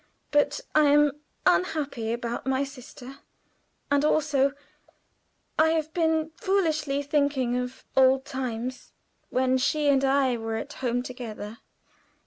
But I am unhappy about my sister, and also I have been foolishly thinking of old times, when she and I were at home together."